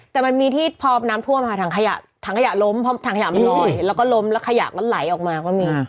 แต่มันมีที่พอน้ำท่วมค่ะถังขยะถังขยะล้มเพราะถังขยะมันลอยแล้วก็ล้มแล้วขยะก็ไหลออกมาก็มี